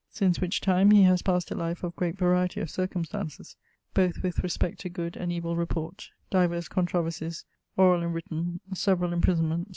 Since which time he haz passed a life of great variety of circumstances, both with respect to good and evill report, divers controversies orall and written[L.], severall imprisonments[LI.